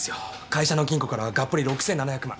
会社の金庫からガッポリ６７００万。